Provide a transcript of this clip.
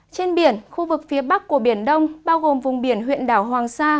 trên biển khu vực phía bắc của biển đông bao gồm vùng biển huyện đảo hoàng sa